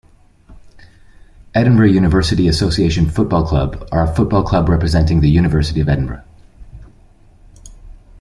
Edinburgh University Association Football Club are a football club representing the University of Edinburgh.